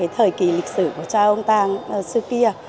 thời kỳ lịch sử của cha ông ta xưa kia